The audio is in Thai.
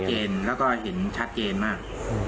ครับแชดเจนครับแล้วก็เห็นแชดเจนมาก